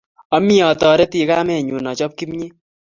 Ami atoreti kamenyu achop kimnyet